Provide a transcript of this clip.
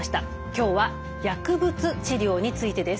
今日は薬物治療についてです。